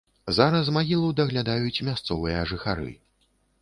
Зараз магілу даглядаюць мясцовыя жыхары.